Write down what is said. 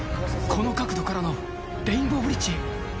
この角度からのレインボーブリッジ。